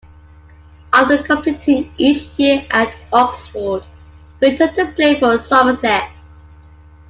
After completing each year at Oxford, he returned to play for Somerset.